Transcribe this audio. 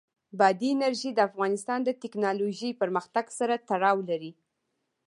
بادي انرژي د افغانستان د تکنالوژۍ پرمختګ سره تړاو لري.